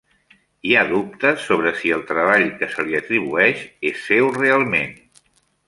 Hi ha dubtes sobre si el treball que se li atribueix és seu realment.